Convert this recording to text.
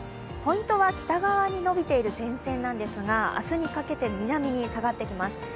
本当は北側に延びている前線なんですが、明日にかけて南に下がってきます。